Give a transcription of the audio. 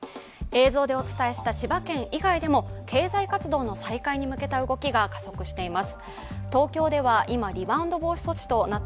映像でお伝えした千葉県以外でも経済活動に向けた動きが再開しています。